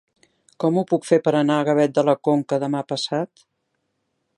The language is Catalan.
Com ho puc fer per anar a Gavet de la Conca demà passat?